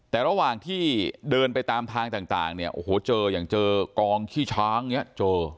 แต่ระหว่างที่เดินไปตามทางต่างเนี่ยโอ้โหเจออย่างเจอกองขี้ช้างเนี่ยเจอ